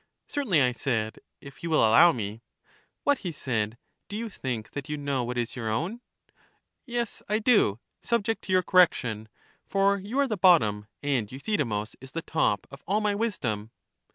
Certainly, I said, if you will allow me. What, he said, do you think that you know what is your own? Yes, I do, subject to your correction; for you are EUTHYDEMUS 267 the bottom, and Euthydemus is the top, of all my wisdom.